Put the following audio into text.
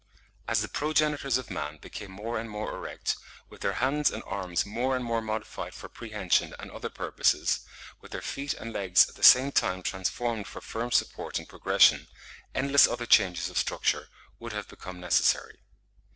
As the progenitors of man became more and more erect, with their hands and arms more and more modified for prehension and other purposes, with their feet and legs at the same time transformed for firm support and progression, endless other changes of structure would have become necessary.